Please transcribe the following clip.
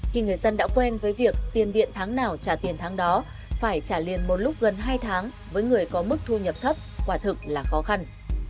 khi người dân đã quen với việc tiền điện tháng nào trả tiền tháng đó phải trả liền một lúc gần hai tháng với người có mức thu nhập thấp quả thực là khó khăn